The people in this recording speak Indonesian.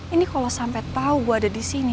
ini kalau sampai tau gue ada disini